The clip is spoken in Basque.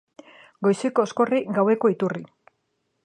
Goizeko oskorri, gaueko iturri.